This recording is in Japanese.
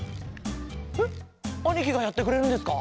えっあにきがやってくれるんですか？